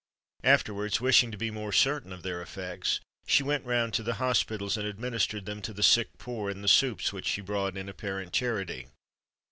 Afterwards, wishing to be more certain of their effects, she went round to the hospitals, and administered them to the sick poor in the soups which she brought in apparent charity.